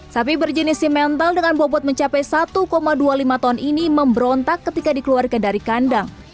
sapi berjenis simental dengan bobot mencapai satu dua puluh lima ton ini memberontak ketika dikeluarkan dari kandang